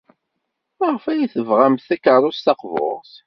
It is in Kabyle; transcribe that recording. Maɣef ay tebɣam takeṛṛust taqburt?